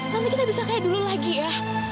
nanti kita bisa kayak dulu lagi ya